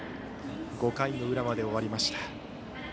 ５回の裏まで終わりました。